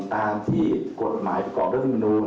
ตามที่กฎหมายประกอบด้านด้านนู้น